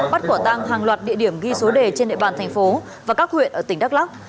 bắt quả tang hàng loạt địa điểm ghi số đề trên địa bàn thành phố và các huyện ở tỉnh đắk lắc